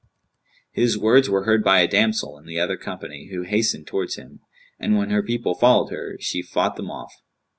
His words were heard by a damsel in the other company who hastened towards him, and when her people followed her, she fought them off.